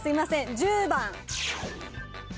１０番。